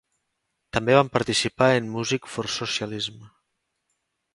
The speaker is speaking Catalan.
També van participar en Music For Socialism.